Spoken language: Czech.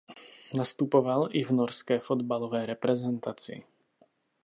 Nastupoval i v norské fotbalové reprezentaci.